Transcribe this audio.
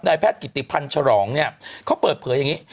แพทย์กิติพันธ์ฉลองเนี่ยเขาเปิดเผยอย่างนี้